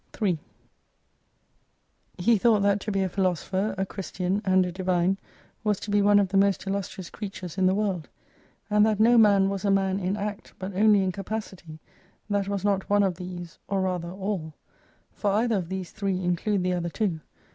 3 He thought that to be a Philosopher, a Christian, and a Divine, was to be one of the most illustrious creatures in the world ; and that no man was a man in act, but only in capacity, that was not one of these, or rather all. For either of these three include the other two.